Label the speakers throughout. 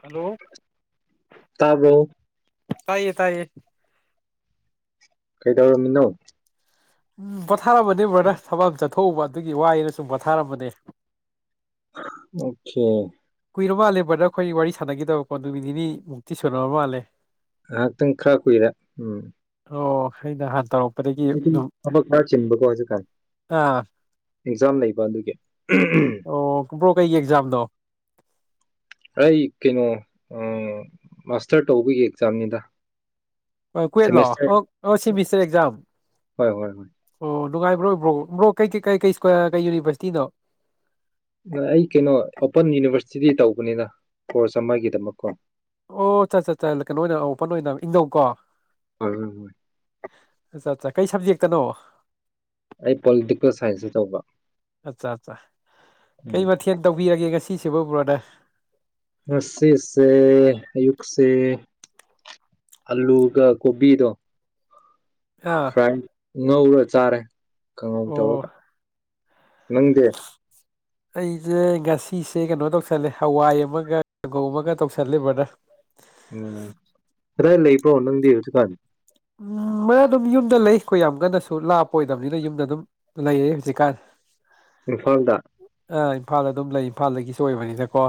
Speaker 1: hello
Speaker 2: ꯇꯥꯕꯔꯣ
Speaker 1: ꯇꯥꯏꯌꯦ ꯇꯥꯏꯌꯦ
Speaker 2: ꯀꯩꯗꯧꯔꯝꯃꯤꯅꯣ
Speaker 1: ꯎꯝ [unintelligible] ꯊꯥꯕꯅ ꯕꯗꯔ ꯊꯕꯛ ꯑꯃ ꯆꯠ ꯊꯣꯛꯎꯕ ꯑꯗꯨꯒꯤ ꯋꯥꯌꯦꯅ ꯁꯨꯝ ꯄꯣꯊꯥꯔꯝꯕꯅꯦ
Speaker 2: ꯑꯣꯀꯦ
Speaker 1: ꯀꯨꯏꯔꯕ ꯃꯥꯜꯂꯦ ꯕꯔꯗ ꯑꯩꯈꯣꯏ ꯋꯥꯔꯤ ꯁꯥꯟꯅꯈꯤꯗꯕꯀꯣ ꯅꯨꯃꯤꯠ ꯅꯤꯃꯨꯛꯇꯤ ꯁꯨꯅꯔ ꯃꯥꯜꯂꯦ
Speaker 2: ꯉꯥꯏꯍꯥꯛꯇꯪ ꯈꯔ ꯀꯨꯏꯔꯦ ꯎꯝ
Speaker 1: ꯑꯣ ꯍ ꯅ ꯍꯥꯟ ꯇꯧꯔꯛꯄ
Speaker 2: [unintelligible] ꯊꯕꯛ ꯈꯔ ꯆꯤꯟꯕꯀꯣ ꯍꯧꯖꯤꯛ ꯀꯥꯟ
Speaker 1: ꯑꯥ
Speaker 2: ꯑꯦꯛꯖꯥꯝ ꯂꯩꯕ ꯑꯗꯨꯒꯤ
Speaker 1: ꯑꯣ ꯕꯔꯣ ꯀꯩꯒꯤ ꯑꯦꯛꯖꯥꯝꯅꯣ
Speaker 2: ꯑꯩ ꯀꯩꯅꯣ ꯑꯥ ꯃꯥꯁꯇꯔ ꯇꯧꯕꯒꯤ ꯑꯦꯛꯖꯥꯝꯅꯤꯗ
Speaker 1: ꯀꯨꯋꯦꯠ ꯂꯣ
Speaker 2: ꯁꯦꯃꯦꯁꯇꯔ
Speaker 1: ꯑꯣ ꯑꯣ ꯁꯤꯃꯤꯁꯇꯔ ꯑꯦꯛꯖꯝ
Speaker 2: ꯍꯣꯏ ꯍꯣꯏ ꯍꯣꯏ
Speaker 1: ꯑꯣ ꯅꯨꯡꯉꯥꯏꯕ꯭ꯔꯣ ꯕ꯭ꯔꯣ ꯕ꯭ꯔꯣ ꯀꯩꯩ ꯀꯩ ꯀꯩ ꯀꯩ ꯌꯨꯅꯤꯚꯔꯁꯤꯇꯤꯅꯣ
Speaker 2: ꯑꯩ ꯀꯩꯅꯣ ꯑꯣꯄꯟ ꯌꯨꯅꯤꯚꯔꯁꯤꯇꯤꯗꯤ ꯇꯧꯕꯅꯤꯅ ꯀꯣꯔꯁ ꯑꯃꯒꯤꯗꯃꯛꯀꯣ
Speaker 1: ꯑꯣ ꯆ ꯆ ꯆ ꯀꯩꯅꯣ ꯑꯣꯏꯅ ꯑꯣꯄꯟ ꯑꯣꯏꯅ ꯏꯪꯅꯧ ꯀꯣ ꯑꯠꯆꯥ ꯑꯠꯆꯥ
Speaker 2: [unintelligible]
Speaker 1: ꯀꯩ ꯁꯕꯖꯦꯛꯇꯅꯣ
Speaker 2: ꯑꯩ ꯄꯣꯂꯤꯇꯤꯀꯦꯜ ꯁꯥꯏꯟꯁꯇ ꯇꯧꯕ
Speaker 1: ꯑꯠꯆꯥ ꯑꯠꯆꯥ
Speaker 2: ꯎꯝ
Speaker 1: ꯀꯩ ꯃꯊꯦꯜ [unintelligible]
Speaker 2: ꯉꯁꯤꯁꯦ ꯑꯌꯨꯛꯁꯦ ꯑꯜꯂꯨꯒ ꯀꯣꯕꯤꯗꯣ
Speaker 1: ꯑꯥ
Speaker 2: ꯐ꯭ꯔꯥꯏ ꯉꯧꯔ ꯆꯥꯔꯦ ꯀꯪꯍꯧ
Speaker 1: ꯑꯣ
Speaker 2: ꯇꯔꯒ ꯅꯪꯗꯦ
Speaker 1: ꯑꯩꯁꯦ ꯉꯁꯤꯁꯦ ꯀꯩꯅꯣ ꯇꯧꯁꯜꯂꯦ ꯍꯋꯥꯏ ꯑꯃꯒ ꯀꯥꯡꯒꯧ ꯑꯃꯒ ꯇꯧꯁꯜꯂꯦ ꯕꯗꯔ
Speaker 2: ꯎꯝ ꯔꯦꯟ ꯂꯩꯄ꯭ꯔꯣ ꯅꯪꯗꯤ ꯍꯧꯁꯤꯀꯥꯟ
Speaker 1: ꯎꯝ ꯃꯅ ꯑꯗꯨꯝ ꯌꯨꯝꯗ ꯂꯩ ꯑꯩꯈꯣꯏ ꯌꯥꯝ ꯀꯟꯅꯁꯨ ꯂꯥꯞꯄ ꯑꯣꯏꯗꯕꯅꯤꯅ ꯌꯨꯝꯗ ꯑꯗꯨꯝ ꯂꯩꯔꯦ ꯍꯧꯖꯤꯛꯀꯥꯟ
Speaker 2: ꯏꯝꯐꯥꯜꯗ
Speaker 1: ꯑꯥ ꯏꯝꯐꯥꯜ ꯑꯗꯨꯝ ꯂꯩ ꯏꯝꯐꯥꯜꯗꯒꯤꯁꯨ ꯑꯣꯏꯕꯅꯤꯅꯀꯣ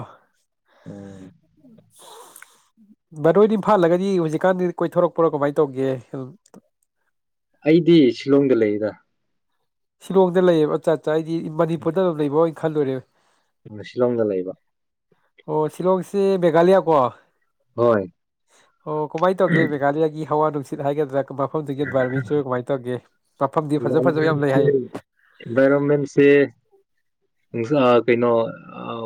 Speaker 2: ꯑꯣ
Speaker 1: ꯕꯗ ꯏꯝꯐꯥꯜꯂꯒꯗꯤ ꯍꯧꯖꯤꯛꯀꯥꯟꯗꯤ ꯀꯣꯏꯊꯣꯔꯛꯄꯔꯣ ꯀꯃꯥꯏ ꯇꯧꯒꯦ
Speaker 2: ꯑꯩꯗꯤ ꯁꯤꯂꯣꯡꯗ ꯂꯩꯗ
Speaker 1: ꯁꯤꯂꯣꯡꯗ ꯂꯩꯌꯦꯕ ꯑꯆꯥꯆꯥ ꯑꯩꯗꯤ ꯃꯅꯤꯄꯨꯔꯗ ꯂꯩꯕꯣꯏ ꯈꯜꯂꯨꯔꯦ
Speaker 2: ꯁꯤꯂꯣꯡꯗ ꯂꯩꯕ
Speaker 1: ꯑꯣ ꯁꯤꯂꯣꯡꯁꯤ ꯃꯦꯘꯂꯤꯌꯥ ꯀꯣ
Speaker 2: ꯍꯣꯏ
Speaker 1: ꯑꯣ ꯀꯨꯃꯥꯏ ꯇꯧꯒꯦ ꯃꯦꯒꯥꯥꯂꯤꯌꯥꯒꯤ ꯍꯋꯥ ꯅ ꯁꯤ ꯍꯥꯏꯒꯗ꯭ꯔꯥ ꯃꯐꯝꯗꯨꯒꯤ ꯑꯦꯟꯚꯥꯏꯔꯣꯟꯃꯦꯟꯁꯨ ꯀꯃꯥꯏꯅ ꯇꯧꯒꯦ ꯃꯐꯝꯗꯤ ꯐꯖ ꯐꯖꯕ ꯌꯥꯝ ꯂꯩ ꯍꯥꯏ
Speaker 2: ꯏꯟꯚꯥꯏꯔꯣꯟꯃꯦꯟꯁꯦ ꯁ ꯀꯩꯅꯣ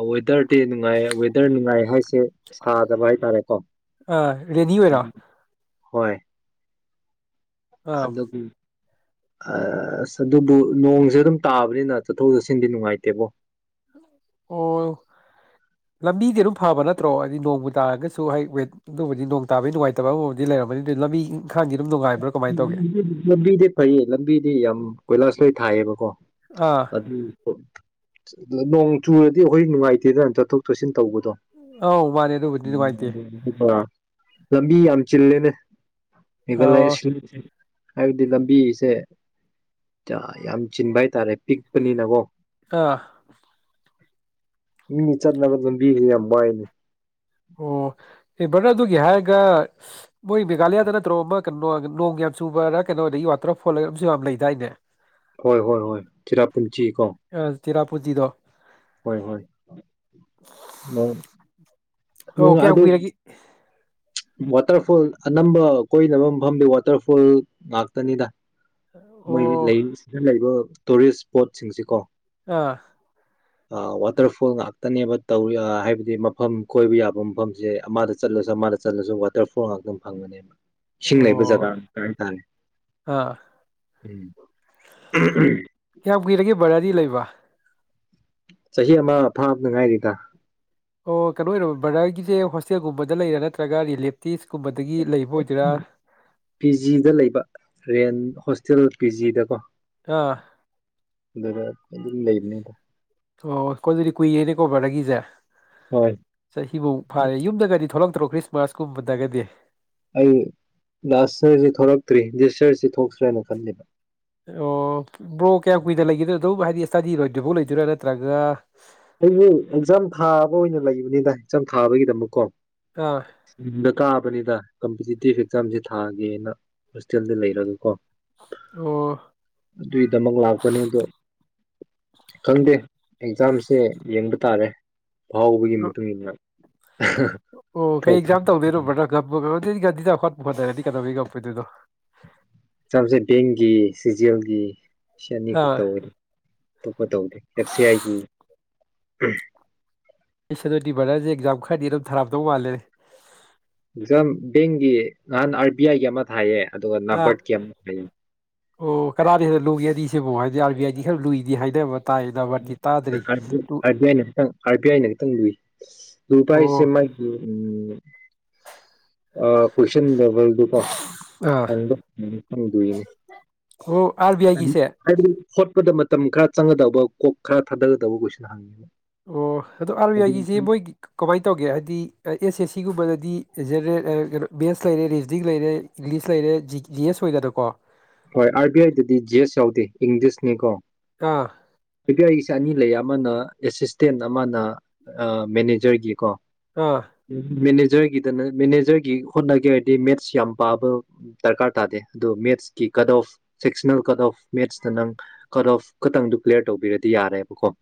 Speaker 2: ꯋꯦꯗꯔ ꯗꯦ ꯅꯨꯡꯉꯥꯏ ꯋꯦꯗꯔ ꯅꯨꯡꯉꯥꯏ ꯍꯥꯏꯁꯦ ꯁꯥꯗꯕ ꯍꯥꯏꯇꯥꯔꯦꯀꯣ
Speaker 1: ꯑꯥ ꯔꯦꯅꯤ ꯑꯣꯏꯔꯣ
Speaker 2: ꯍꯣꯏ
Speaker 1: ꯑꯥ
Speaker 2: ꯑꯗ ꯂ ꯎ ꯑꯁ ꯑꯗꯨꯕꯨ ꯅꯣꯡꯁꯦ ꯑꯗꯨꯝ ꯇꯥꯕꯅꯤꯅ ꯆꯠꯊꯣꯛ ꯆꯠꯁꯤꯟꯗꯤ ꯅꯨꯡꯉꯥꯏꯇꯦꯕꯣ
Speaker 1: ꯑꯣ ꯂꯝꯕꯤꯗꯤ ꯑꯗꯨꯝ ꯐꯕ ꯅꯠꯇ꯭ꯔꯣ ꯍꯥꯏꯗꯤ ꯅꯣꯡꯃ ꯇꯥꯔꯒꯁꯨ ꯍ ꯋꯦꯠ ꯑꯗꯨꯕꯨꯗꯤ ꯅꯣꯡ ꯇꯥꯕꯒꯤ ꯅꯨꯡꯉꯥꯏꯇꯕ ꯑꯃꯕꯨꯗꯤ ꯂꯩꯔꯃꯅꯤ ꯑꯗꯨ ꯂꯝꯕꯤ ꯏꯪꯈꯥꯡꯗꯤ ꯑꯗꯨꯝ ꯅꯨꯡꯉꯥꯏꯕ
Speaker 2: ꯂꯝꯕꯤꯗꯤ ꯐꯩꯌꯦ ꯂꯝꯕꯤꯗꯤ ꯌꯥꯝ ꯀꯣꯏꯂꯥꯁ ꯂꯣꯏ ꯊꯥꯏꯌꯦꯕꯀꯣ
Speaker 1: ꯑꯥ
Speaker 2: ꯑꯗꯨꯗꯤ ꯑ ꯅꯣꯡ ꯆꯨꯔꯗꯤ ꯑꯩꯈꯣꯏ ꯅꯨꯡꯉꯥꯏꯇꯦꯗꯅ ꯆꯠꯊꯣꯛ ꯆꯠꯁꯤꯟ ꯇꯧꯕꯗꯣ
Speaker 1: ꯑꯧ ꯃꯥꯅꯦ ꯑꯗꯨꯕꯨꯗꯤ ꯅꯨꯡꯉꯥꯏꯇꯦ
Speaker 2: ꯂꯝꯃꯤ ꯌꯥꯝ ꯆꯦꯅꯦ ꯑꯩꯒꯂ
Speaker 1: ꯑꯣ
Speaker 2: ꯍꯥꯏꯕꯗꯤ ꯂꯝꯕꯤꯁꯦ ꯌꯥꯝ ꯆꯤꯟꯕ ꯍꯥꯏꯇꯥꯔꯦ ꯄꯤꯛꯄꯅꯤꯅꯀꯣ
Speaker 1: ꯑꯥ
Speaker 2: ꯃꯤ ꯆꯠꯅ ꯆꯠꯅ ꯕꯤ ꯌꯥꯝ ꯌꯥꯝ ꯏꯅꯦ
Speaker 1: ꯑꯣ ꯑꯦ ꯚꯔꯅ ꯑꯗꯨꯒꯤ ꯍꯥꯏꯔꯒ ꯃꯣꯏ ꯃꯦꯘꯥꯂꯌꯥꯗ ꯅꯠꯇ꯭ꯔꯣ ꯑꯃ ꯀꯩꯅꯣ ꯅꯣꯡ ꯌꯥꯝ ꯆꯨꯕꯗ ꯀꯩꯅꯣ ꯑꯗꯒꯤ ꯋꯥꯇꯔꯐꯣꯜ ꯑꯃꯁꯝꯨ ꯌꯥꯝ ꯂꯩꯗꯥꯏꯅꯦ
Speaker 2: ꯍꯣꯏ ꯍꯣꯏ ꯍꯣꯏ ꯆꯔꯥ ꯄꯨꯨꯟꯆꯤꯀꯣ
Speaker 1: ꯄꯨꯖꯤꯗ
Speaker 2: ꯍꯣꯏ ꯍꯣꯏ ꯑ
Speaker 1: ꯑꯣ ꯀꯌꯥ ꯀꯏꯔꯒꯦ
Speaker 2: ꯋꯥꯇꯔꯐꯣꯜ ꯑꯅꯝꯕ ꯀꯣꯏꯅꯕ ꯃꯐꯝꯗꯤ ꯋꯥꯇꯔꯐꯣꯜ ꯉꯥꯛꯇꯅꯤꯗ
Speaker 1: ꯑꯣ
Speaker 2: ꯃꯣꯏ ꯂꯩ ꯂꯩꯕ ꯇꯨꯔꯤꯁ ꯁ꯭ꯄꯣꯠꯁꯤꯡꯁꯤ ꯀꯣ
Speaker 1: ꯑꯥ
Speaker 2: ꯋꯥꯇꯔꯐꯣꯜ ꯉꯥꯛꯇꯅꯦꯕ ꯇꯧꯔꯤ ꯍꯥꯏꯕꯗꯤ ꯃꯐꯝ ꯀꯣꯏꯕ ꯌꯥꯕ ꯃꯐꯝꯁꯦ ꯑꯃꯗ ꯆꯠꯂꯁꯨ ꯑꯃꯗ ꯆꯠꯂꯁꯨ ꯋꯥꯇꯔꯐꯣꯜ ꯉꯥꯛꯇꯪ ꯐꯪꯕꯅꯦꯕ ꯁꯤꯁꯤꯡ ꯂꯩꯕꯨꯖꯒꯥꯒ
Speaker 1: ꯑꯣ
Speaker 2: ꯇꯅꯤ
Speaker 1: ꯑꯥ
Speaker 2: ꯎꯝ ꯎꯝ ꯎꯝ
Speaker 1: ꯌꯥꯒꯤꯔꯒꯦ ꯕꯔꯌꯥꯗꯤ ꯂꯩꯕ
Speaker 2: ꯆꯍꯤ ꯑꯃ ꯐꯥꯞꯅꯉꯥꯏꯔꯤꯗ
Speaker 1: ꯑꯣ ꯀꯩꯅꯣ ꯑꯣꯏꯔꯕꯣ ꯕ꯭ꯔꯗꯔꯒꯤꯁꯦ ꯍꯣꯁꯇꯦꯜꯒꯨꯝꯕꯗ ꯂꯩꯔꯥ ꯅꯠꯇ꯭ꯔꯒ ꯔꯤꯂꯦꯞꯇꯤꯁꯀꯨꯝꯕꯗ
Speaker 2: ꯄꯤꯖꯤꯗ ꯂꯩꯕ ꯔꯦꯟ ꯍ ꯇꯤꯜ ꯄꯤ ꯖꯤꯗ ꯀꯣ
Speaker 1: ꯑꯥ
Speaker 2: ꯑꯗꯨꯔ ꯂꯩꯔꯅꯤ
Speaker 1: ꯑꯣ ꯀꯣꯏꯗꯗꯤ ꯀꯨꯏꯅꯦ ꯀꯣꯔꯕꯔꯒ ꯆꯦ
Speaker 2: ꯍꯣꯏ
Speaker 1: ꯆꯍꯤꯐꯧ ꯐꯥꯔꯦ ꯌꯨꯝꯗꯒꯗꯤ ꯊꯣꯛꯂꯛꯇ ꯄꯠꯇ꯭ꯔꯣ ꯈ꯭ꯔꯤꯁꯃꯥꯁꯀꯨꯝꯕ ꯇꯒꯗꯤ
Speaker 2: ꯑꯩ ꯂꯥꯁꯔꯁꯤ ꯊꯣꯛꯂꯛꯇ꯭ꯔꯤ ꯂꯤꯗꯤꯁꯔꯁꯤ ꯊꯣꯛꯁ꯭ꯔꯦꯅ ꯈꯟꯜꯂꯤꯦꯕ
Speaker 1: ꯑꯣ ꯕ꯭ꯔꯣ ꯀꯌꯥꯝ ꯀꯨꯏꯅ ꯂꯩꯒꯗꯣ ꯑꯗꯨꯝ ꯍꯥꯏꯗꯤ ꯏꯁꯇꯗꯤ ꯔꯣꯏꯗꯨꯐꯥꯎ ꯂꯩꯗꯣꯏꯔꯥ ꯅꯠꯇ꯭ꯔꯒ
Speaker 2: ꯑꯩꯕꯨ ꯑꯦꯛꯖꯥꯝ ꯊꯥꯕ ꯑꯣꯏꯅ ꯂꯩ ꯅꯨꯅꯤꯗ ꯍꯆꯝ ꯊꯥꯕꯒꯤꯗꯃꯛꯀꯣ
Speaker 1: ꯑꯥ
Speaker 2: ꯎ ꯀꯥꯕꯅꯤꯗ ꯀꯝꯄꯤꯇꯤꯇꯤꯞ ꯑꯦꯛꯖꯥꯝꯁꯦ ꯊꯥꯒꯦꯅ ꯍꯣꯁꯇꯦꯜꯗ ꯂꯩꯔꯒ ꯀꯣ
Speaker 1: ꯑꯣ
Speaker 2: ꯑꯗꯨꯒꯤꯗꯃꯛ ꯂꯥꯛꯄꯅꯤ ꯑꯗꯣ ꯈꯪꯗꯦ ꯑꯦꯛꯖꯥꯝꯁ ꯦ ꯌꯦꯡ ꯇꯥꯔꯦ ꯐꯥꯎꯕꯒꯤ ꯃꯇꯨꯡ ꯏꯟꯅ
Speaker 1: ꯑꯣ ꯀꯩꯥꯏ ꯑꯦꯛꯖꯥꯝ ꯇꯧꯗꯔꯣ꯭ꯔꯒ ꯑꯗꯨꯗꯤꯗꯤꯗ ꯍꯈꯠꯄ ꯈꯣꯠꯅꯔꯗꯤ ꯀꯗꯧꯒꯤ ꯀꯝꯄꯩꯗꯨꯗꯣ
Speaker 2: ꯆꯝꯁꯦ ꯕꯦꯡꯒꯤ ꯁꯤꯖꯦꯜꯒꯤ ꯁꯅꯤ
Speaker 1: ꯑꯥ
Speaker 2: ꯈꯠꯇ ꯑꯣꯏꯅꯤ ꯇꯧꯗꯦ ꯑꯦꯐ ꯁꯤ ꯑꯥꯏꯒꯤ ꯎꯝ
Speaker 1: ꯑꯩ ꯁꯗꯗꯤ ꯕꯗꯔꯁꯦ ꯑꯦꯛꯖꯥꯝ ꯈꯔꯗꯤ ꯑꯗꯨꯝ ꯊꯔꯥꯞꯗꯧ ꯃꯥꯜꯂꯦ
Speaker 2: ꯕꯦꯡꯒꯤ ꯅꯍꯥꯟ ꯑꯥꯔ ꯕꯤ ꯑꯥꯏꯒꯤ ꯑꯃ ꯊꯥꯏꯌꯦ ꯑꯗꯨꯒ
Speaker 1: ꯑꯥ
Speaker 2: ꯅꯥꯕꯔꯠꯀꯤ ꯑꯃ ꯍꯥꯏꯌꯦ
Speaker 1: ꯑꯣ ꯀꯗꯥꯗꯤ ꯍꯗ ꯂꯨꯒꯦꯗꯤ ꯁꯤꯕꯨ ꯍꯥꯏꯗꯤ ꯑꯥꯔ ꯕꯤ ꯑꯥꯏꯗꯤ ꯈꯔ ꯂꯨꯏꯗꯤ ꯍꯥꯏꯅꯕ ꯇꯥꯏ ꯅꯝꯕꯔꯗꯤ ꯇꯥꯗ꯭ꯔꯤ
Speaker 2: ꯑꯥꯔ ꯕꯤ
Speaker 1: ꯂꯨ
Speaker 2: ꯑꯥꯏꯅ ꯈꯤꯇꯪ ꯑꯥꯔ ꯕꯤ ꯑꯥꯏꯅ ꯈꯤꯇꯪ ꯂꯨꯏ ꯂꯨꯕ ꯍꯥꯏꯁꯦ
Speaker 1: ꯑꯣ
Speaker 2: ꯃꯥꯒꯤ ꯎ ꯑ ꯀ꯭ꯣꯏꯟ
Speaker 1: ꯑꯥ
Speaker 2: ꯣꯗ ꯐꯪꯗꯣꯏꯅꯤ
Speaker 1: ꯑꯣ ꯑꯥꯔ ꯕꯤ ꯑꯥꯏꯒꯤꯁꯦ
Speaker 2: ꯍꯥꯏꯕꯗꯤ ꯍꯣꯠꯄꯗ ꯃꯇꯝ ꯈꯔ ꯆꯪꯒꯗꯕ ꯀꯣꯛ ꯈꯔ ꯊꯥꯗꯒꯗꯕ ꯀꯣꯏꯁꯟ ꯍꯪꯉꯕ
Speaker 1: ꯑꯣ ꯑꯗꯣ ꯑꯥꯔ ꯕꯤ ꯑꯥꯏꯒꯤꯁꯦ ꯃꯣꯏ ꯀꯃꯥꯏꯅ ꯇꯧꯒꯦ ꯍꯥꯏꯗꯤ ꯑꯦꯁ ꯑꯦꯁ ꯁꯤꯒꯨꯝꯕꯗꯗꯤ ꯖꯦꯅꯔꯦꯜ ꯀꯩꯅꯣ ꯕꯦꯟꯁ ꯂꯩꯔꯦ ꯔꯤꯖꯗꯤꯡ ꯂꯩꯔꯦ ꯏꯪꯂꯤꯁ ꯂꯩꯔꯦ ꯖꯤ ꯖꯤ ꯑꯦꯁ ꯑꯣꯏꯗꯅꯀꯣ
Speaker 2: ꯍꯣꯏ ꯑꯥꯏ ꯕꯤ ꯑꯥꯏꯗꯗꯤ ꯖꯤ ꯑꯦꯁ ꯌꯥꯎꯗꯦ ꯏꯪꯂꯤꯁꯅꯤꯀꯣ
Speaker 1: ꯑꯥ
Speaker 2: ꯗꯤ ꯑꯩꯁꯦ ꯑꯅꯤ ꯂꯩꯌꯦ ꯑꯃꯅ ꯑꯦꯁꯤꯁꯇꯦꯟ ꯑꯃꯅ ꯑ ꯃꯦꯅꯦꯖꯔꯒꯤꯀꯣ
Speaker 1: ꯑꯥ
Speaker 2: ꯎꯝ ꯃꯦꯅꯦꯁ ꯖꯔꯒꯤꯗ ꯃꯦꯅꯦꯖꯔꯒꯤ ꯍꯣꯠꯅꯒꯦ ꯍꯥꯏꯔꯗꯤ ꯃꯦꯠꯁ ꯌꯥꯝ ꯄꯥꯕ ꯗꯔꯀꯥꯔ ꯇꯥꯗꯦ ꯑꯗꯣ ꯃꯦꯠꯁꯀꯤ cut of sectional cut of ꯃꯦꯠꯁꯇ ꯅꯪ ꯀꯠ ꯑꯣꯐ ꯈꯇꯪꯗꯨ ꯀ꯭ꯂꯤꯌꯥꯔ ꯇꯧꯕꯤꯔꯗꯤ ꯌꯥꯔꯦꯕꯀꯣ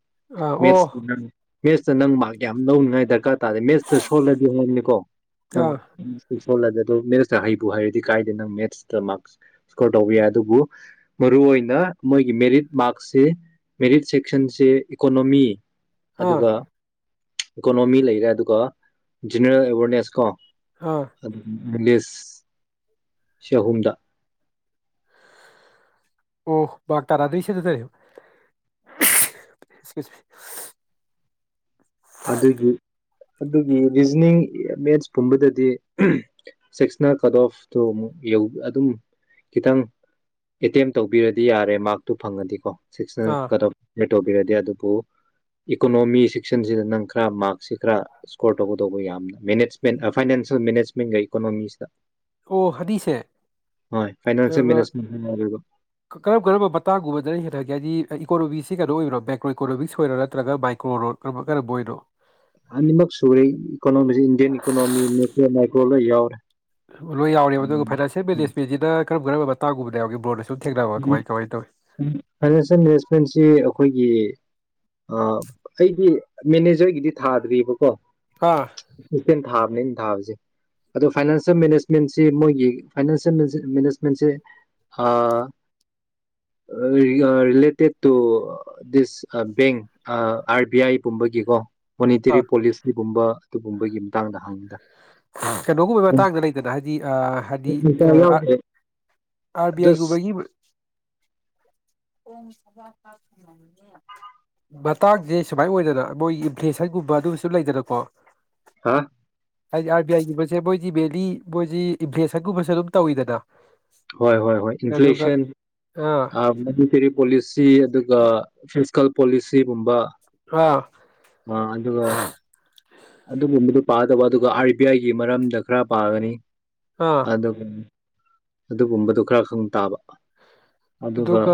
Speaker 1: ꯑꯥ ꯑꯣ
Speaker 2: ꯃꯦꯠꯁꯇ ꯅꯪ ꯃꯦꯠꯁꯇ ꯅꯪ ꯃꯥꯔꯛ ꯌꯥꯝꯅ ꯂꯧꯅꯉꯥꯏ ꯗꯔꯀꯥꯔ ꯇꯥꯗꯦ ꯃꯦꯠꯁꯇ ꯁꯣꯜꯂꯗꯤ ꯅꯪꯅꯦꯀꯣ ꯅꯪ
Speaker 1: ꯑꯥ
Speaker 2: ꯁꯣꯜꯂꯗ ꯑ ꯑꯗꯣ ꯃꯦꯠꯁꯇ ꯍꯩꯕꯨ ꯍꯥꯏꯔꯗꯤ ꯀꯥꯏꯗꯦ ꯅꯪ ꯃꯦꯠꯁꯇ ꯃꯥꯔꯛꯁ ꯏꯁꯀꯣꯔ ꯇꯧꯕ ꯌꯥꯏ ꯑꯗꯨꯕꯨ ꯃꯔꯨꯑꯣꯏ ꯑꯣꯏꯅ ꯃꯣꯏꯒꯤ ꯃꯦꯔꯤꯠ ꯃꯥꯔꯛꯁꯤ ꯃꯦꯔꯤꯠ ꯁꯦꯛꯁꯟꯁꯦ ꯏꯀꯣꯅꯣꯃꯤ
Speaker 1: ꯑꯥ
Speaker 2: ꯑꯗꯨꯒ ꯏꯀꯣꯅꯣꯃꯤ ꯂꯩꯔꯦ ꯑꯗꯨꯒ ꯖꯦꯅꯔꯦꯜ ꯑꯦꯋꯥꯔꯅꯦꯁ ꯀꯣ
Speaker 1: ꯑꯥ
Speaker 2: ꯑꯗꯨ ꯃꯤꯂꯦꯁ ꯆꯍꯨꯝꯗ
Speaker 1: ꯑꯣ ꯃꯥꯔꯛ ꯇꯔꯥꯗꯩ ꯁꯤꯗꯗꯩ
Speaker 2: ꯑꯗꯨꯒꯤ ꯑꯗꯨꯒꯤ ꯔꯤꯖꯅꯤꯡ ꯃꯦꯠꯁ ꯀꯨꯝꯕꯗꯗꯤ ꯑꯝ ꯁꯦꯛꯁꯅꯦꯜ ꯀꯠ ꯑꯣꯐꯇꯣ ꯑꯃꯨꯛ ꯌꯧ ꯑꯗꯨꯝ ꯈꯤꯇꯪ ꯑꯦꯇꯦꯝ ꯇꯧꯕꯤꯔꯗꯤ ꯌꯥꯔꯦ ꯃꯥꯔꯛꯇꯨ ꯐꯪꯉꯗꯤꯀꯣ ꯁꯦꯛꯁꯟ
Speaker 1: ꯑꯥ
Speaker 2: ꯀꯠ ꯑꯣꯐ ꯇꯧꯕꯤꯔꯗꯤ ꯑꯗꯨꯕꯨ ꯏꯀꯣꯅꯣꯃꯤꯁ ꯁꯤꯗ ꯅꯪ ꯈꯔ ꯃꯥꯔꯛꯁꯤ ꯈꯔ ꯏꯁꯀꯣꯔ ꯇꯧꯒꯗꯧꯕ ꯌꯥꯝꯅ ꯃꯦꯅꯦꯖꯃꯦꯟ ꯑ ꯐꯥꯏꯅꯥꯟꯁꯤꯌꯦꯜ ꯃꯦꯅꯦꯖꯃꯦꯟꯒ ꯏꯀꯣꯅꯣꯃꯤꯁꯤꯗ
Speaker 1: ꯑꯣ ꯍꯗꯤꯁꯦ
Speaker 2: ꯍꯣꯏ ꯐꯥꯏꯅꯥꯟꯁꯤꯌꯦꯜ
Speaker 1: ꯑꯟꯏꯟꯇꯦꯜꯂꯤꯖꯦꯕꯜ
Speaker 2: ꯃꯦꯅꯦꯖꯃꯦꯟ ꯍꯥꯏꯔꯒ
Speaker 1: ꯀꯔꯝ ꯀꯔꯝꯕ ꯃꯇꯥꯡꯒꯨꯝꯕꯗꯅ ꯍꯦꯟꯅꯒꯦ ꯍꯥꯏꯗꯤ ꯍꯥꯏꯗꯤ ꯏꯀꯣꯅꯣꯃꯤꯁꯁꯤ ꯀꯩꯅꯣ ꯑꯣꯏꯔꯣ ꯕꯦꯀ꯭ꯔꯣ ꯏꯀꯣꯅꯣꯃꯤꯛꯁ ꯑꯣꯏꯔꯣ ꯅꯠꯇ꯭ꯔꯒ ꯃꯥꯏꯀ꯭ꯔꯣ ꯔꯣꯠ ꯀꯔ ꯀꯔꯝꯕ ꯑꯣꯏꯅꯣ
Speaker 2: ꯑꯅꯤꯃꯛ ꯁꯨꯔꯦ ꯔꯣꯜꯂ ꯌꯥꯎꯔꯦ
Speaker 1: ꯂꯣꯏ ꯌꯥꯎꯔꯦꯕ ꯑꯗꯨꯒ
Speaker 2: ꯎꯝ
Speaker 1: ꯐꯥꯏꯅꯥꯟꯁꯤꯌꯦꯜ ꯃꯦꯅꯦꯖꯃꯦꯟꯁꯤꯗ ꯀꯔꯝ ꯀꯝꯕ ꯃꯇꯥꯡ ꯒꯨꯝꯕꯗ ꯌꯥꯎꯒꯦ ꯕ꯭ꯔꯣꯅ ꯁꯨꯝ ꯊꯦꯡꯅꯕ
Speaker 2: ꯎꯝ
Speaker 1: ꯀꯃꯥꯏ ꯀꯃꯥꯏꯅ ꯇꯧꯏ
Speaker 2: ꯎꯝ ꯐꯥꯏꯅꯥꯏꯟꯁꯤꯁꯦꯟ ꯔꯦꯁꯄꯦꯟꯁꯤ ꯑꯈꯣꯏꯒꯤ ꯑ ꯑꯩꯗꯤ ꯃꯦꯅꯦꯖꯔꯒꯤꯗꯤ ꯊꯥꯗ꯭ꯔꯤꯌꯦꯕꯀꯣ
Speaker 1: ꯑꯥ
Speaker 2: ꯁꯤꯇꯦꯟ ꯊꯥ ꯅꯦꯟ ꯊꯥꯕꯁꯦ ꯑꯗꯣ ꯐꯥꯏꯅꯥꯟꯁꯤꯌꯦꯜ ꯃꯦꯅꯦꯖꯃꯦꯟꯁꯤ ꯃꯣꯏꯒꯤ ꯐꯥꯏꯅꯥꯟꯁꯤꯌꯦꯜ ꯃꯤꯖꯤ ꯃꯦꯅꯦꯖꯃꯦꯟꯁꯦ ꯑ ꯌꯤ ꯑ related to this uh bank R B I ꯄꯨꯝꯕꯒꯤꯀꯣ ꯃꯣꯅꯤꯇꯦꯔꯤ ꯄꯣꯂꯤꯁ ꯀꯤ ꯒꯨꯝꯕ ꯑꯗꯨꯒꯨꯝꯕꯒꯤ ꯃꯇꯥꯡꯗ ꯍꯪꯕꯗ
Speaker 1: ꯀꯩꯅꯣꯒꯨꯝꯕꯩ ꯃꯇꯥꯡꯗ ꯂꯩꯗꯅ ꯍꯥꯏꯗꯤ ꯑ ꯍꯥꯏꯗꯤ ꯑ
Speaker 2: ꯌꯥꯎꯗꯦ
Speaker 1: ꯑꯥꯔ ꯕꯤ ꯑꯥꯏ
Speaker 2: ꯖꯁ
Speaker 1: ꯒꯨꯝꯕꯒꯤ ꯃ ꯎꯝ ꯃꯇꯥꯡꯁꯦ ꯁꯨꯃꯥꯏꯅ ꯑꯣꯏꯗꯅ ꯃꯣꯏꯒꯤ ꯏꯟꯐ꯭ꯂꯦꯁꯟꯒꯨꯝꯕ ꯑꯗꯨꯝꯕꯁꯨ ꯂꯩꯗꯅꯀꯣ
Speaker 2: ꯍꯥ
Speaker 1: ꯍꯥꯏꯗꯤ ꯑꯥꯔ ꯕꯤ ꯑꯥꯏꯒꯨꯝꯕꯁꯦ ꯃꯣꯏꯗꯤ ꯃꯦꯜꯂꯤ ꯃꯣꯏꯁꯤ ꯏꯟꯐ꯭ꯂꯦꯁꯟꯒꯨꯝꯕꯁꯨ ꯑꯗꯨꯝ ꯇꯧꯋꯤꯗꯅ
Speaker 2: ꯍꯣꯏ ꯍꯣꯏ ꯍꯣꯏ
Speaker 1: ꯑꯗꯨꯒ
Speaker 2: ꯏꯟꯐ꯭ꯂꯦꯁꯟ
Speaker 1: ꯑꯥ
Speaker 2: ꯃꯅꯤꯇꯦꯔꯤ ꯄꯣꯂꯤꯁꯤ ꯑꯗꯨꯒ ꯐꯤꯀ ꯄꯣꯂꯤꯁꯤꯒꯨꯝꯕ
Speaker 1: ꯑꯥ
Speaker 2: ꯑ ꯑꯗꯨ ꯑꯗꯨꯒꯒ ꯑꯗꯨꯒꯨꯝꯕꯗꯨ ꯄꯥꯗꯕ ꯑꯗꯨꯒ ꯑꯥꯔ ꯕꯤ ꯑꯥꯏꯒꯤ ꯃꯔꯝꯗ ꯈꯔ ꯄꯥꯒꯅꯤ
Speaker 1: ꯑꯥ
Speaker 2: ꯑꯗ ꯑꯗꯨꯒꯨꯝꯕꯗꯣ ꯈꯔ ꯈꯪ ꯇꯥꯕ
Speaker 1: ꯑꯗꯨꯒ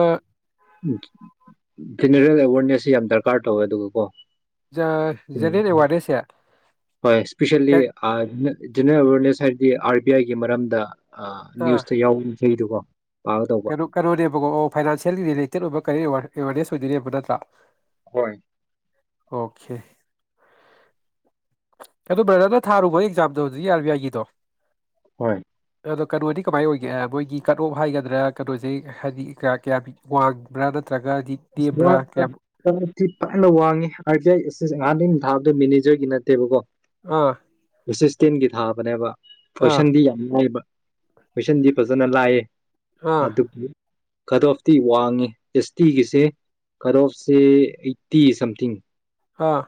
Speaker 2: ꯎꯝ ꯖꯦꯅꯔꯦꯜ ꯑꯦꯋꯥꯦꯔꯅꯦꯁꯁꯤꯦ ꯌꯥꯝ ꯗꯔꯀꯥꯔ ꯇꯧꯋꯦ ꯑꯗꯨꯒ ꯀꯣ
Speaker 1: ꯖꯦꯔꯤꯦꯟ ꯑꯦꯋꯥꯔꯗꯦꯁꯌꯥ
Speaker 2: ꯍꯣꯏ ꯏꯁꯄꯦꯁꯂꯤ ꯑ ꯖꯦꯅꯔꯦꯜ ꯑꯦꯋꯔꯅꯦꯁ ꯍꯥꯏꯔꯗꯤ ꯑꯥꯔ ꯕꯤ ꯑꯥꯏꯒꯤ ꯃꯔꯝꯗ
Speaker 1: ꯑꯥ
Speaker 2: ꯅ꯭ꯌꯨꯁꯇ ꯌꯥꯎ ꯊꯔꯀꯣ
Speaker 1: ꯀꯩꯅꯣ ꯀꯩꯅꯣꯅꯦꯕꯀꯣ ꯑꯣ ꯐꯥꯏꯅꯥꯟꯁꯤꯌꯦꯦꯜꯒꯤ ꯔꯤꯂꯦꯇꯦꯠ ꯑꯣꯏꯕ ꯀꯔꯤ ꯑꯣꯏ ꯋꯥꯔꯦ ꯃꯦ ꯁꯨꯖꯅꯤꯦꯕꯅꯠꯇ꯭ꯔꯥ
Speaker 2: ꯍꯣꯏ
Speaker 1: ꯑꯣꯀꯦ ꯑꯗꯨꯣ ꯕ꯭ꯔꯗꯔꯅ ꯊꯥꯔꯨꯕ ꯑꯦꯛꯖꯥꯝꯗꯣ ꯍꯧꯖꯤꯛ ꯑꯔ ꯕꯤ ꯑꯥꯏꯒꯤꯗꯣ
Speaker 2: ꯍꯣꯏ
Speaker 1: ꯑꯗꯣ ꯀꯩꯅꯣꯗꯤ ꯀꯃꯥꯏ ꯑꯣꯏꯒꯦ ꯃꯣꯏꯒꯤ ꯀꯠ ꯑꯣꯐ ꯍꯥꯏꯒꯗꯣ ꯑꯗꯨꯗꯅ ꯀꯩꯅꯣꯁꯦ ꯍꯥꯏꯗꯤ ꯀꯌꯥ ꯋꯥꯡꯕ꯭ꯔꯥꯅ
Speaker 2: ꯤ ꯐꯥꯏꯅ ꯋꯥꯡꯉꯤ ꯑꯥꯔ ꯕꯤ ꯑꯥꯏ ꯁꯤ ꯑꯍꯥꯟꯥꯟꯕ ꯊꯥꯕꯗꯣ ꯃꯦꯅꯦꯖꯔꯒꯤ ꯅꯠꯇꯦꯕꯀꯣ
Speaker 1: ꯑꯥ
Speaker 2: ꯁꯤꯛꯁꯇꯤꯟꯒꯤ ꯊꯥꯕꯅꯦꯕ
Speaker 1: ꯑꯥ
Speaker 2: ꯄꯣꯏꯁꯟꯗꯤ ꯌꯥꯝꯅꯨꯡꯥꯏꯕ ꯃꯤꯁꯟꯗꯤ ꯄꯖꯅꯂꯑ
Speaker 1: ꯑꯥ
Speaker 2: ꯑꯗꯨ ꯑꯗꯨꯕꯨ ꯀꯗ ꯑꯣꯐꯇꯤ ꯋꯥꯡꯉꯤ ꯑꯦꯁ ꯇꯤꯒꯤꯁꯤ ꯀꯔꯣꯁꯦ ꯑꯩꯠꯇꯤ ꯁꯝꯊꯤꯡ
Speaker 1: ꯑꯥ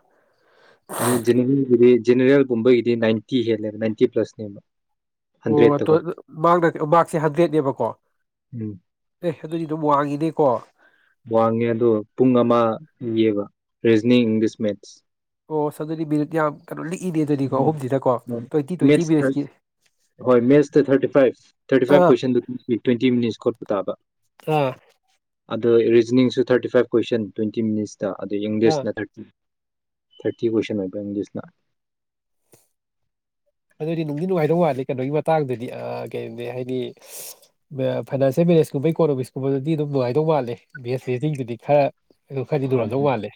Speaker 2: ꯑꯅꯤ ꯖꯦꯅꯔꯦꯜꯒꯨꯝꯕꯒꯤꯗꯤ ꯅꯥꯏꯟꯇꯤ ꯍꯦꯜꯂꯦꯕ ꯅꯥꯏꯟꯇꯤ ꯄ꯭ꯂꯁꯅꯦꯕ
Speaker 1: ꯑꯣ
Speaker 2: ꯍꯟꯗ꯭ꯔꯦꯠꯇꯀꯣ
Speaker 1: ꯃꯗ ꯃꯥꯔꯛꯁꯦ ꯍꯟꯗ꯭ꯔꯦꯠꯅꯦꯕꯀꯣ
Speaker 2: ꯎꯝ
Speaker 1: ꯑꯦ ꯑꯗꯨꯗꯤ ꯑꯗꯨꯝ ꯋꯥꯡꯉꯅꯦꯀꯣ
Speaker 2: ꯋꯥꯡꯉꯦ ꯑꯗꯣ ꯄꯨꯡ ꯑꯃ ꯌꯦꯕ ꯔꯦꯖꯅꯤ ꯏꯪꯂꯤꯁ ꯃꯦꯠꯁ
Speaker 1: ꯑꯣ ꯁ ꯑꯗꯨꯗꯤ ꯕꯤꯔꯠꯤꯌꯥ
Speaker 2: ꯎꯝꯣꯏ
Speaker 1: ꯇ꯭ꯋꯦꯟꯇꯤ
Speaker 2: ꯃꯦꯠꯁꯇ
Speaker 1: ꯃꯤꯅꯠꯁꯀꯤ
Speaker 2: ꯍꯣꯏ ꯃꯦꯠꯁꯇ ꯊꯥꯔꯇꯤ ꯐꯥꯏꯚ ꯊꯥꯔꯇꯤ ꯐꯥꯏꯚ
Speaker 1: ꯑꯥ
Speaker 2: ꯀꯣꯏꯁꯟꯗꯨ ꯇ꯭ꯋꯦꯟꯇꯤ ꯃꯤꯅꯤꯠꯁ ꯈꯣꯠꯄ ꯇꯥꯕ
Speaker 1: ꯑ
Speaker 2: ꯑꯗꯣ ꯔꯤꯖꯅꯤꯡꯁꯨ thirty five question twenty minutes ꯇ ꯑꯗꯨꯗ
Speaker 1: ꯑꯥ
Speaker 2: ꯏꯪꯂꯤꯁꯅ ꯊꯥꯔꯇꯤ ꯊꯔꯇꯤ ꯀ꯭ꯋꯁꯟ ꯍꯥꯏ ꯄꯦ ꯏꯟꯖꯁꯅꯅꯥ
Speaker 1: ꯑꯗꯨꯗꯤ ꯅꯨꯡꯗꯤ ꯅꯨꯡꯉꯥꯏꯗꯧ ꯃꯥꯠꯂꯦ ꯀꯩꯅꯣꯒꯤ ꯃꯇꯥꯡꯗꯨꯗꯤ ꯀꯩꯅꯤ ꯍꯥꯏꯗꯤ ꯐꯥꯏꯅꯥꯟꯁꯤꯌꯦꯜ ꯃꯦꯔꯦꯖꯀꯨꯝꯕ ꯏꯀꯣꯅꯣꯃꯤꯛꯁꯀꯨꯝꯕꯗꯗꯤ ꯑꯗꯨꯝ ꯅꯨꯡꯉꯥꯏꯗꯧ ꯃꯥꯠꯂꯦ ꯦꯁꯦꯁꯤꯡꯗꯨꯗꯤ ꯈꯔ ꯑꯗꯨ ꯈꯔꯗꯤ ꯂꯨꯔꯝꯗꯧ ꯃꯥꯜꯂꯦ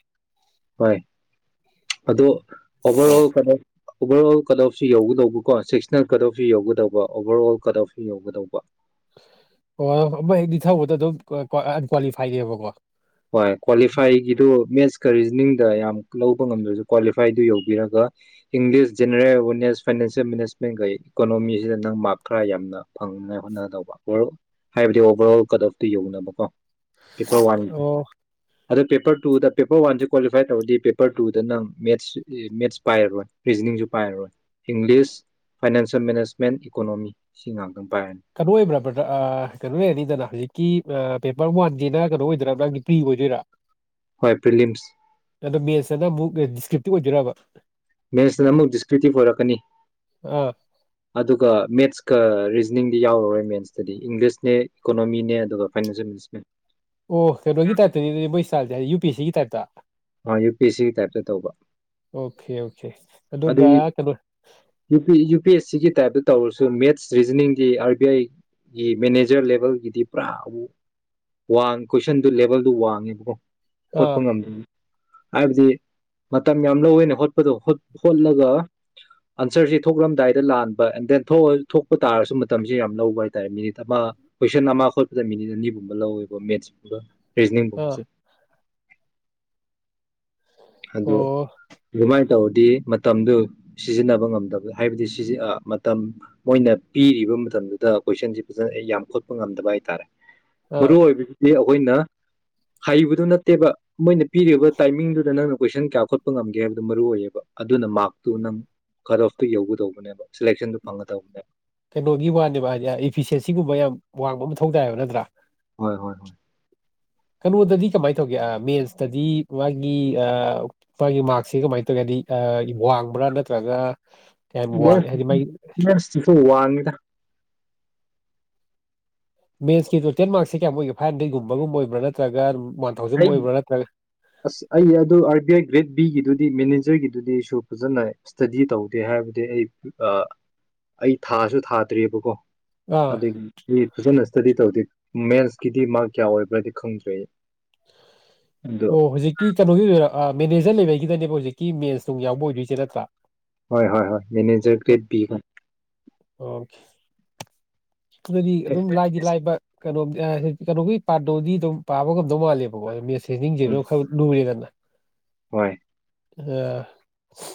Speaker 2: ꯍꯣꯏ ꯍꯣꯏ ꯑꯣ ꯑꯣꯚꯔ ꯑꯣꯜ ꯀꯩꯅꯣ ꯑꯣꯚꯔ ꯑꯣꯜ ꯀꯠ ꯑꯣꯐꯁꯤ ꯌꯧꯒꯗꯧꯕꯀꯣ ꯁꯤꯁꯅꯦꯜ ꯀꯠ ꯑꯣꯐꯁꯤ ꯌꯧꯒꯗꯧꯕ ꯑꯣꯚꯔ ꯑꯣꯜ ꯀꯠ ꯑꯣꯐꯁꯨ ꯌꯧꯒꯗꯧꯕ
Speaker 1: ꯑꯣ ꯑꯃ ꯍꯦꯛꯅꯤ ꯊꯧꯕꯗ ꯑꯗꯨꯝ ꯑꯟꯀ꯭ꯋꯥꯂꯤꯐꯥꯏꯗꯦꯕꯀꯣ
Speaker 2: ꯍꯣꯏ ꯀ꯭ꯋꯥꯂꯤꯐꯥꯏꯒꯤꯗꯨ ꯃꯦꯠꯁ ꯀ ꯔꯤꯖꯅꯤꯡꯗ ꯌꯥꯝ ꯂꯧꯕ ꯉꯝꯗ꯭ꯔꯁꯨ ꯀ꯭ꯋꯥꯂꯤꯐꯥꯏꯗꯨ ꯌꯧꯕꯤꯔꯒ ꯏꯪꯂꯤꯁ ꯖꯦꯅꯔꯦꯜ ꯑꯦꯋꯔꯅꯦꯁ ꯐꯥꯏꯅꯥꯟꯁꯤꯌꯦꯜ ꯃꯦꯅꯦꯖꯃꯦꯟꯒꯩ ꯏꯀꯣꯅꯣꯃꯤꯁꯤꯗ ꯅꯪ ꯃꯥꯔꯛ ꯈꯔ ꯌꯥꯝꯅ ꯐꯪꯉꯥꯏ ꯍꯣꯠꯅꯒꯗꯧꯕ ꯍꯥꯏꯕꯗꯤ ꯑꯣꯚꯔ ꯑꯣꯜ ꯀꯠ ꯑꯣꯐꯇꯨ ꯌꯧꯅꯕ ꯀꯣ ꯏꯄꯥ ꯋꯥꯟ
Speaker 1: ꯑꯣ
Speaker 2: ꯑꯗꯣ ꯄꯦꯄꯔ ꯇꯨꯗ ꯄꯦꯄꯔ ꯋꯥꯟꯁꯦ ꯀ꯭ꯋꯥꯂꯤꯐꯥꯏ ꯇꯧꯔꯗꯤ ꯄꯦꯄꯔ ꯇꯨꯗ ꯅꯪ ꯃꯦꯠꯁ ꯃꯦꯠꯁ ꯄꯥꯏꯔꯔꯣꯏ ꯔꯤꯖꯅꯤꯡꯁꯨ ꯄꯥꯏꯔꯔꯣꯏ ꯏꯪꯂꯤꯁ ꯐꯥꯏꯅꯥꯟꯁꯤꯌꯦꯜ ꯃꯦꯅꯦꯖꯃꯦꯟ ꯏꯀꯣꯅꯣꯃꯤ ꯁꯤ ꯉꯥꯡꯇ
Speaker 1: ꯀꯩꯅꯣ ꯑꯣꯏꯕ꯭ꯔꯥꯕ꯭ꯔꯗ ꯀꯩꯅꯣ ꯑꯣꯏꯔꯅꯤꯗꯅ ꯍꯧꯖꯤꯛꯀꯤ ꯄꯦꯄꯔ ꯋꯥꯟꯁꯤꯅ ꯀꯩꯅꯣ ꯑꯣꯏꯗꯣꯏꯔꯥ ꯅꯪꯒꯤ ꯄ꯭ꯔꯤ ꯑꯣꯏꯗꯣꯏꯔꯥ
Speaker 2: ꯍꯣꯏ ꯄꯂꯤꯝꯁ
Speaker 1: ꯑꯗꯣ ꯃꯦꯠꯁꯇꯅ ꯑꯃꯨꯛ ꯗꯤꯁꯀ꯭ꯔꯤꯞꯇꯤ ꯑꯣꯏꯗꯣꯏꯔꯕ
Speaker 2: ꯃꯦꯠꯁꯅ ꯑꯃꯨꯛ ꯗꯤꯁꯀ꯭ꯨꯇꯤꯞ ꯑꯣꯏꯔꯛꯀꯅꯤ
Speaker 1: ꯑꯥ
Speaker 2: ꯑꯗꯨꯒ ꯃꯦꯠꯁꯀ ꯔꯤꯖꯅꯤꯡꯗꯤ ꯌꯥꯎꯔꯔꯣꯏ ꯃꯦꯟꯁꯇꯗꯤ ꯏꯪꯂꯤꯁꯅꯦ ꯏꯀꯣꯅꯣꯃꯤꯅꯦ ꯑꯗꯨꯒ ꯐꯥꯏꯅꯥꯟꯁꯤꯌꯦꯜꯁꯅꯦ
Speaker 1: ꯑꯣ ꯐꯦ ꯔꯣꯒ ꯇꯩꯁ ꯆ ꯄꯤ ꯁꯤꯒꯤ ꯇꯥꯏꯞꯇ
Speaker 2: ꯌꯨ ꯄꯤ ꯑꯦꯁ ꯁꯤꯒꯤ ꯇꯥꯏꯞꯇ ꯇꯧꯕ
Speaker 1: ꯑꯣꯀꯦ ꯑꯣꯀꯦ ꯑꯗꯨꯒ
Speaker 2: ꯑꯗꯩ
Speaker 1: ꯀꯩꯅꯣ
Speaker 2: ꯌꯨ ꯄꯤ ꯑꯦꯁ ꯁꯤ ꯁꯤꯒꯤ ꯇꯥꯏꯞꯇ ꯇꯧꯔꯁꯨ ꯃꯦꯠꯁ ꯔꯤꯖꯅꯤꯡꯒꯤ ꯑꯥꯔ ꯕꯤ ꯑꯥꯏꯒꯤ ꯃꯦꯅꯦꯖꯔ ꯂꯦꯚꯦꯜꯒꯤꯗꯤ ꯄꯨꯔꯥ ꯋꯥꯡ ꯀꯣꯏꯁꯟꯗꯨ ꯂꯦꯚꯦꯜꯗꯨ ꯋꯥꯡꯉꯦꯕꯀꯣ ꯈꯣꯠꯄ
Speaker 1: ꯑꯥ
Speaker 2: ꯉꯝꯗꯅꯤ ꯍꯥꯏꯕꯗꯤ ꯃꯇꯝ ꯌꯥꯝ ꯂꯧꯋꯦꯅ ꯍꯣꯠꯄꯗꯣ ꯍꯣꯠꯂꯒ ꯑꯟꯁꯔꯁꯤ ꯊꯣꯛꯂꯝꯂꯝꯗꯥꯏꯗ ꯂꯥꯟꯕ ꯑꯦꯟ ꯗꯦꯟ ꯊꯣꯛꯄ ꯇꯥꯔꯁꯨ ꯃꯇꯝꯁꯤꯦ ꯌꯥꯝ ꯂꯧꯕ ꯍꯥꯏꯇꯥꯔꯦ ꯃꯤꯅꯤꯠ ꯑꯃ ꯀꯣꯏꯁꯟ ꯑꯃ ꯈꯣꯠꯄꯗ ꯃꯤꯅꯤꯠ ꯑꯅꯤꯒꯨꯝꯕ ꯂꯧꯋꯦꯕ ꯃꯦꯠꯁꯨꯒ
Speaker 1: ꯑꯥ
Speaker 2: ꯄꯔꯤꯖꯅꯤꯡꯕꯣꯁꯦ ꯑꯗ
Speaker 1: ꯑꯣ
Speaker 2: ꯃꯥꯏ ꯇꯧꯔꯗꯤ ꯃꯇꯝꯗꯨ ꯁꯤꯖꯤꯟꯅꯕ ꯉꯝꯗꯕ ꯍꯥꯏꯕꯗꯤ ꯃꯇꯝ ꯃꯣꯏꯅ ꯄꯤꯔꯤꯕ ꯃꯇꯝꯗꯨꯗ ꯀꯣꯏꯁꯟꯁꯤ ꯐꯖꯅ ꯌꯥꯝꯈꯣꯠꯄ ꯉꯝꯗꯕ ꯍꯥꯏꯇꯥꯔꯦ
Speaker 1: ꯑꯥ
Speaker 2: ꯐꯔꯨ ꯑꯣꯏ ꯑꯩꯈꯣꯏꯅ ꯍꯩꯕꯗꯨ ꯅꯠꯇꯦꯕ ꯃꯣꯏꯅ ꯄꯤꯔꯤꯕ ꯇꯥꯏꯃꯤꯡꯗꯨꯗ ꯅꯪꯅ ꯀꯣꯏꯁꯟ ꯀꯌꯥ ꯈꯣꯠꯄ ꯉꯝꯒꯦ ꯍꯥꯏꯕꯗꯨ ꯃꯔꯨꯑꯣ ꯑꯣꯏꯌꯦꯕ ꯑꯗ ꯑꯗꯨꯅ ꯃꯥꯛꯇꯨꯅꯪ ꯀꯠ ꯑꯣꯐꯇꯣ ꯌꯧꯒꯗꯧꯕꯅꯦꯕ ꯁꯤꯂꯦꯛꯁꯟꯗꯨ ꯐꯪꯒꯗꯧꯕꯅꯦꯕ
Speaker 1: ꯀꯩꯅꯣꯒꯤ ꯋꯥꯅꯦꯕ ꯍꯥꯏꯗꯤ ꯏꯐꯤꯁꯦꯟꯁꯤꯒꯨꯝꯕ ꯌꯥꯝ ꯋꯥꯡꯕꯜ ꯃꯊꯧ ꯇꯥꯏꯌꯦꯕ ꯅꯠꯇ꯭ꯔꯥ
Speaker 2: ꯍꯣꯏ ꯍꯣꯏ ꯍꯣꯏ
Speaker 1: ꯀꯩꯅꯣꯗꯗꯤ ꯀꯃꯥꯏꯅ ꯇꯧꯒꯦ ꯃꯦꯟꯁꯇꯗꯤ ꯃꯥꯒꯤ ꯑ ꯃꯥꯒꯤ ꯃꯥꯔꯛꯁꯦ ꯀꯃꯥꯏꯅ ꯇꯧꯒꯦ ꯍꯥꯏꯗꯤ ꯋꯥꯡꯕ꯭ꯔꯥ ꯅꯠꯇ꯭ꯔꯒ ꯀꯌꯥꯝ ꯋꯥꯡꯉꯦ ꯍꯥꯏꯗꯤ ꯃꯥꯒꯤ
Speaker 2: ꯑꯟꯏꯟꯇꯦꯜꯂꯤꯖꯦꯕꯜ ꯋꯥꯡ ꯉꯤꯗ
Speaker 1: ꯃꯦꯟꯁꯀꯤ ꯇꯣꯇꯦꯜ ꯃꯥꯔꯛꯁꯦ ꯀꯌꯥꯃꯨꯛꯒꯦ ꯐꯥꯏꯚꯟꯗꯦꯠꯒꯨꯝꯕꯒꯨꯝꯕ꯭ꯔꯥ ꯅꯠꯇ꯭ꯔꯒ ꯋꯥꯟ ꯊꯥꯎꯖꯟ
Speaker 2: ꯑꯩ
Speaker 1: ꯑꯣꯏꯕ꯭ꯔꯥ ꯅꯠꯇ꯭ꯔꯒ
Speaker 2: ꯑꯁ ꯑꯩ ꯑꯗꯨ ꯑꯥꯔ ꯕꯤ ꯑꯥꯏ ꯒ꯭ꯔꯦꯠ ꯕꯤꯒꯤꯗꯨꯗꯤ ꯃꯦꯅꯤꯖ ꯐꯦꯆꯔꯒꯤꯗꯨꯗꯤ ꯑꯩꯁꯨ ꯐꯖꯅ ꯏꯁ꯭ꯇꯗꯤ ꯇꯧꯗꯦ ꯍꯥꯏꯕꯗꯤ ꯑꯩ ꯑ ꯑꯩ ꯊꯥꯁꯨ ꯊꯥꯗ꯭ꯔꯤꯌꯦꯕꯀꯣ
Speaker 1: ꯑꯥ
Speaker 2: ꯑꯗꯨꯒꯤ ꯐꯖꯅ ꯏꯁꯇꯗꯤ ꯇꯧꯗꯦ ꯃꯦꯟꯁꯀꯤꯗꯤ ꯃꯥꯔꯛ ꯀꯌꯥ ꯑꯣꯏꯕ꯭ꯔꯗꯤ ꯈꯪꯗ꯭ꯔꯦ ꯑꯗꯣ
Speaker 1: ꯑꯣ ꯍꯧꯖꯤꯛꯀꯤ ꯀꯩꯅꯣꯒꯤ ꯑ ꯃꯦꯅꯦꯖꯔ ꯂꯦꯕꯦꯜꯒꯤꯗꯅꯦꯕ ꯍꯧꯖꯤꯛꯀꯤ ꯃꯦꯟꯁ ꯅꯨꯡ ꯌꯥꯎꯕ ꯑꯣꯏꯗꯣꯏꯁꯦ ꯅꯠꯇ꯭ꯔꯥ
Speaker 2: ꯍꯣꯏ ꯍꯣꯏ ꯍꯣꯏ ꯃꯦꯅꯦꯖꯔ ꯒ꯭ꯔꯦꯠ ꯄꯤ ꯀꯣ
Speaker 1: ꯑꯣꯈꯤ ꯑꯗꯨꯗꯤ ꯑꯗꯨꯝ ꯂꯥꯏꯗꯤ ꯂꯥꯏꯕ ꯀꯩꯅꯣꯝ ꯀꯩꯅꯣꯒꯤ ꯄꯥꯗꯧꯗꯤ ꯑꯗꯨꯝ ꯄꯥꯕ ꯉꯝꯗꯧ ꯃꯥꯜꯂꯦꯕꯀꯣ ꯍꯦꯗꯤꯡꯖꯤꯁꯨ ꯈꯔꯗꯤ ꯂꯨꯔꯦꯗꯅ
Speaker 2: ꯍꯣꯏ
Speaker 1: ꯑ